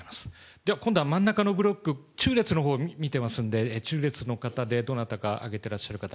では、今度は真ん中のブロック、中列のほう見てますんで、中列の方でどなたか、挙げてらっしゃる方。